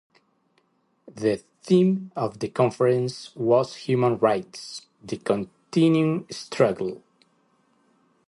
The theme of the conference was human rights - the continuing struggle.